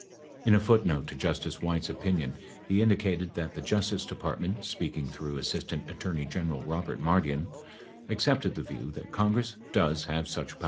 In a footnote in Justice White's opinion he indicated that the Justice Department, speaking through Assistant Attorney General Kobert Mardian, accepted the view that Congress does have such power.